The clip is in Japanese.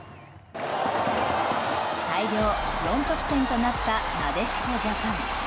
大量４得点となったなでしこジャパン。